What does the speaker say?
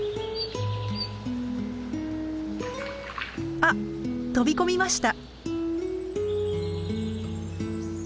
あっ飛び込みました！